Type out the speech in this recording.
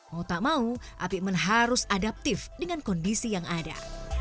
mau tak mau apikmen harus adaptif dengan kondisi yang ada